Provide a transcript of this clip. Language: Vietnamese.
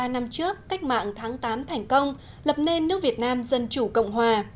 bốn mươi năm trước cách mạng tháng tám thành công lập nên nước việt nam dân chủ cộng hòa